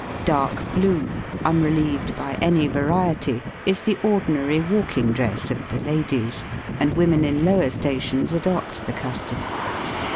Dark blue, unrelieved by any variety, is the ordinary walking dress of the ladies, and women in lower stations adopt the custom.